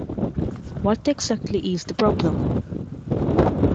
What exactly is the problem?